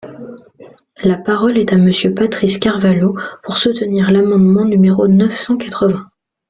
La parole est à Monsieur Patrice Carvalho, pour soutenir l’amendement numéro neuf cent quatre-vingts.